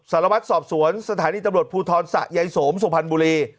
สารวัตรสอบสวนสถานีตำรวจภูทรสะยายสมสุพรรณบุรี